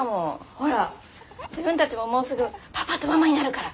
ほら自分たちももうすぐパパとママになるから。